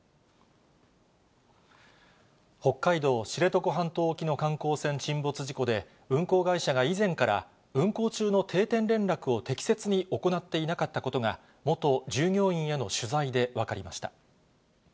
北海道知床半島沖の観光船沈没事故で、運航会社が以前から、運航中の定点連絡を適切に行っていなかったことが、元従業員への取材で分かりました。